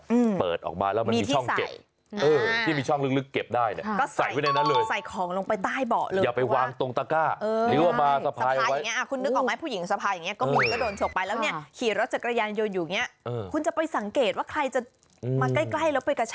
ปืออบอดออกมามีช่องเก็บเออที่มีช่องลึกกิ๊บได้